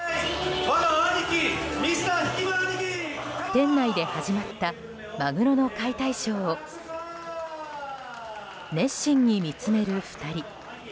店内で始まったマグロの解体ショーを熱心に見つめる２人。